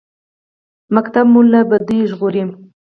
ښوونځی مو له بدیو ژغوري